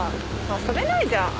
遊べないじゃん。